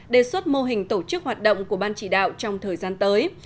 đề xuất mô hình tổ chức hoạt động của ban chỉ đạo trong thời gian tới